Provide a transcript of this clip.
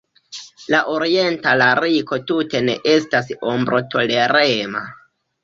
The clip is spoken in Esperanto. La orienta lariko tute ne estas ombro-tolerema.